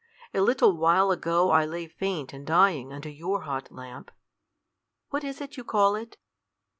A little while ago I lay faint and dying under your hot lamp. What is it you call it?"